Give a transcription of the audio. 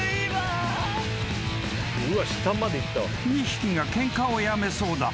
［２匹がケンカをやめそうだ。